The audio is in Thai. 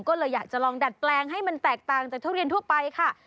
ก็เลยอยากจะลองดัดแปลงให้มันแตกต่างจากทุเรียนทั่วไปค่ะ